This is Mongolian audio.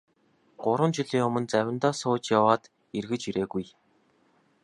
Гурван жилийн өмнө завиндаа сууж яваад эргэж ирээгүй.